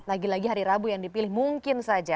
lagi lagi hari rabu yang dipilih mungkin saja